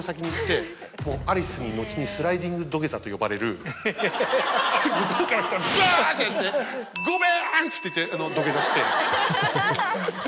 アリスに後にスライディング土下座と呼ばれる向こうから来たらバッてやって。って言って土下座して。